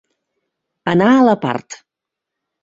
Anar a la part.